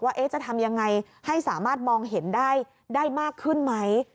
ว่าจะทำยังไงให้สามารถมองเห็นได้มากขึ้นไหม